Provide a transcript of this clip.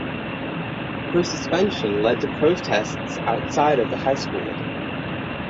Her suspension led to protests outside of the high school.